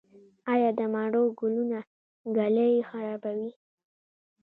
آیا د مڼو ګلونه ږلۍ خرابوي؟